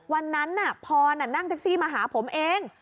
วันนั้นน่ะพอน่ะนั่งเท็กซี่มาหาผมเอง